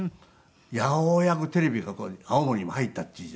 ようやくテレビが青森にも入ったっていう時代。